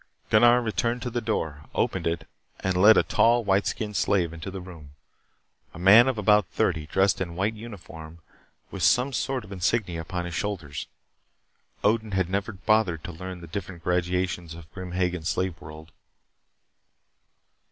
Gunnar returned to the door, opened it, and led a tall white skinned slave into the room. A man of about thirty dressed in white uniform with some sort of insignia upon his shoulders. Odin had never bothered to learn the different gradations in Grim Hagen's slave world.